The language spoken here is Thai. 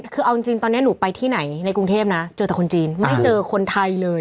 คือเอาจริงตอนนี้หนูไปที่ไหนในกรุงเทพนะเจอแต่คนจีนไม่เจอคนไทยเลย